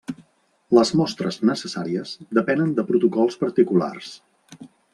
Les mostres necessàries depenen de protocols particulars.